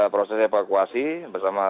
proses evakuasi bersama